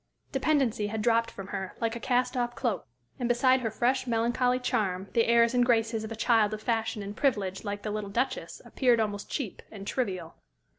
Dependency had dropped from her, like a cast off cloak, and beside her fresh, melancholy charm, the airs and graces of a child of fashion and privilege like the little Duchess appeared almost cheap and trivial.